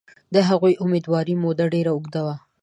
د هغوی امیندوارۍ موده ډېره اوږده وه.